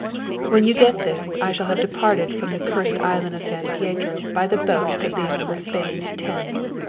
When you get this I shall have departed from the cursed island of San Pietro by the boat that leaves for Spain at ten.